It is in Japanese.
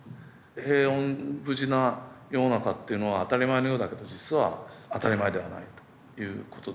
平穏無事な世の中っていうのは当たり前のようだけど実は当たり前ではないということですよね。